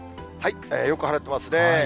よく晴れてますね。